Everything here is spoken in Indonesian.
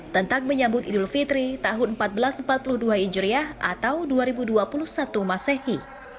tentang menyambut idul fitri tahun seribu empat ratus empat puluh dua hijriah atau dua ribu dua puluh satu masehi